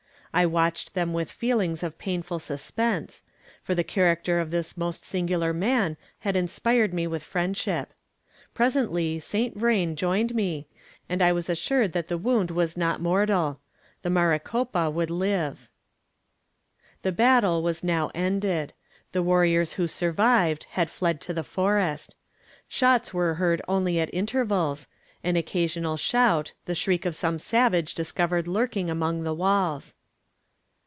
I watched them with feelings of painful suspense, for the character of this most singular man had inspired me with friendship. Presently Saint Vrain joined me, and I was assured that the wound was not mortal. The Maricopa would live. The battle was now ended. The warriors who survived had fled to the forest. Shots were heard only at intervals; an occasional shout, the shriek of some savage discovered lurking among the walls.